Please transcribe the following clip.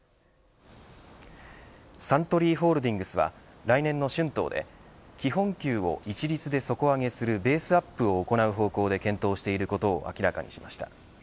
サントリーホールディングスは来年の春闘で基本給を一律で底上げするベースアップを行う方向で検討していることを明らかにしました。